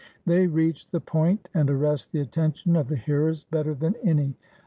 They reach the point and arrest the attention of the hearers better than any.